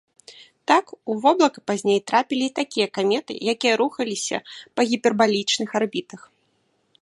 Так, у воблака пазней трапілі і такія каметы, якія рухаліся па гіпербалічных арбітах.